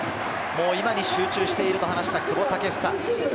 今に集中していると話した久保建英。